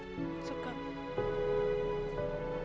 aku tidak pernah sekalipun menyentuh kamu ratu